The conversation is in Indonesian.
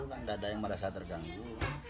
kan tidak ada yang merasa terganggu